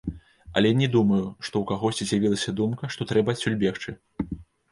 Але я не думаю, што ў кагосьці з'явілася думка, што трэба адсюль бегчы.